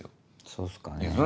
そうっすかね。